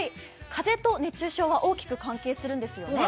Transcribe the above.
風と熱中症は大きく関係するんですよね。